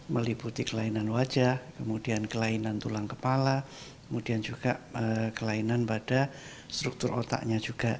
meliputi kelainan wajah kemudian kelainan tulang kepala kemudian juga kelainan pada struktur otaknya juga